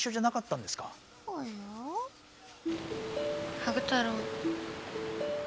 ハグ太郎。